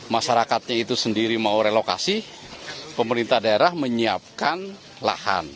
masyarakatnya itu sendiri mau relokasi pemerintah daerah menyiapkan lahan